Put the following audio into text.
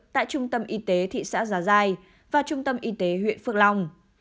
tại trung tâm y tế thị xã già giai và trung tâm y tế huyện phước long